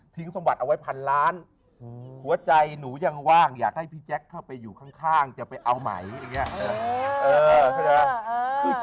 สมบัติเอาไว้พันล้านหัวใจหนูยังว่างอยากให้พี่แจ๊คเข้าไปอยู่ข้างจะไปเอาไหมอย่างนี้